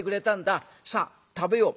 さあ食べよう」。